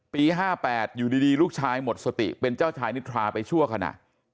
๕๘อยู่ดีลูกชายหมดสติเป็นเจ้าชายนิทราไปชั่วขณะ